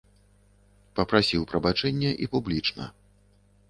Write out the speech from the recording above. Папрасіў прабачэння і публічна.